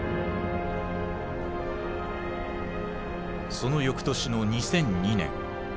その翌年の２００２年。